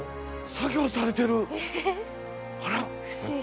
作業されてるあら。